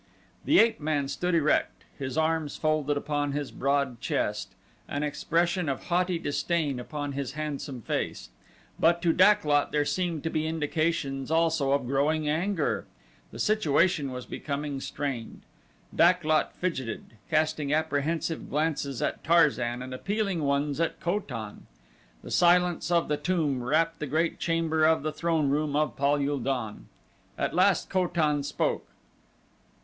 The ape man stood erect, his arms folded upon his broad breast, an expression of haughty disdain upon his handsome face; but to Dak lot there seemed to be indications also of growing anger. The situation was becoming strained. Dak lot fidgeted, casting apprehensive glances at Tarzan and appealing ones at Ko tan. The silence of the tomb wrapped the great chamber of the throneroom of Pal ul don. At last Ko tan spoke.